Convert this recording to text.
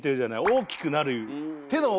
大きくなる。